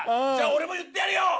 じゃあ俺も言ってやるよ！